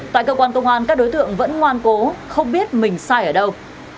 tại cơ quan công an các đối tượng vẫn ngoan cố không biết mình sai ở đâu